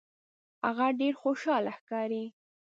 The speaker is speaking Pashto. هغه ډیر خوشحاله ښکاري.